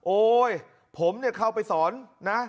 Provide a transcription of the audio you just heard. โอ๊ยผมเข้าไปสอนนะ